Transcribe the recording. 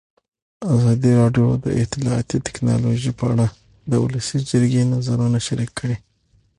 ازادي راډیو د اطلاعاتی تکنالوژي په اړه د ولسي جرګې نظرونه شریک کړي.